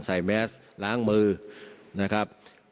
ใส่แมสส์และล้างมื้อนะครับ